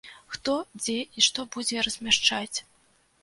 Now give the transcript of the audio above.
Хто, дзе і што будзе размяшчаць.